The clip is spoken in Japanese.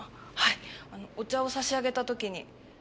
はいお茶を差し上げた時に。